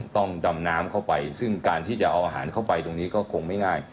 ต้องดำน้ำเข้าไปซึ่งการที่จะเอาอาหารเข้าไปตรงนี้ก็คงไม่ง่าย